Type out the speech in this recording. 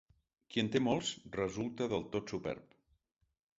Qui en té molts resulta del tot superb.